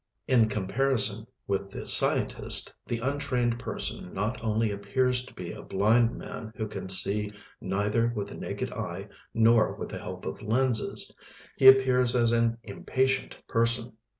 In comparison with the scientist, the untrained person not only appears to be a blind man who can see neither with the naked eye nor with the help of lenses; he appears as an "impatient" person.